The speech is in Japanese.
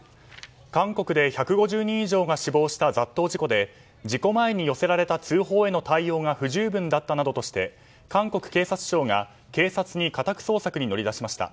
韓国で１５０人以上が死亡した雑踏事故で事故前に寄せられた通報への対応が不十分だったなどとして韓国警察庁が警察に家宅捜索に乗り出しました。